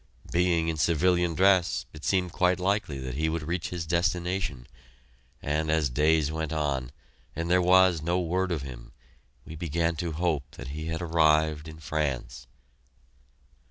Being in civilian dress, it seemed quite likely that he would reach his destination, and as days went on, and there was no word of him, we began to hope that he had arrived in France.